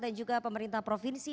dan juga pemerintah provinsi